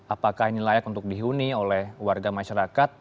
apakah ini layak untuk dihuni oleh warga masyarakat